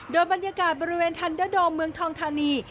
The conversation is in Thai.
โดยบรรยากาศบริเวณทันเดอร์โดมเมืองทองธานี